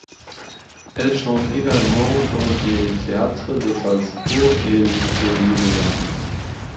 Elle chante également dans des théâtres de Salzbourg et de Ljubljana.